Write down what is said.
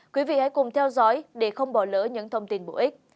quý vị hãy cùng theo dõi để không bỏ lỡ những thông tin bổ ích